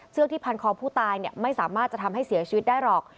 ที่พันคอผู้ตายไม่สามารถจะทำให้เสียชีวิตได้หรอก